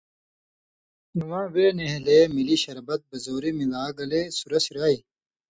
اِواں وے نھېلے ملی شربت بزوری ملا گلے سُرسیۡ رائ